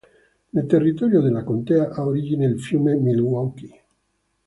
Nel territorio della contea ha origine il fiume Milwaukee.